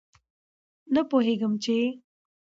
نه پوهېږم چې